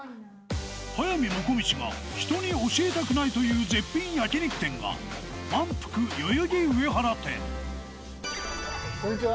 速水もこみちが人に教えたくないという絶品焼肉店がまんぷく代々木上原店こんにちは。